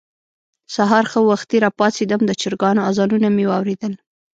سهار ښه وختي راپاڅېدم، د چرګانو اذانونه مې واورېدل.